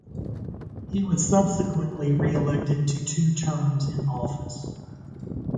He was subsequently re-elected to two terms in office.